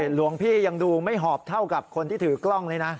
หลวงพี่ยังดูไม่หอบเท่ากับคนที่ถือกล้องเลยนะ